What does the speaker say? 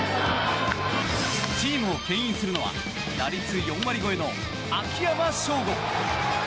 チームを牽引するのは打率４割超えの秋山翔吾。